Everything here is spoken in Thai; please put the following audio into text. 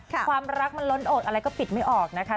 ความรักมันล้นโอดอะไรก็ปิดไม่ออกนะคะ